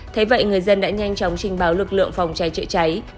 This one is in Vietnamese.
thế vậy người dân đã nhanh chóng trình báo lực lượng phòng cháy chữa cháy